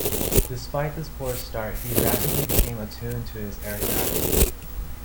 Despite this poor start, he rapidly became attuned to his aircraft.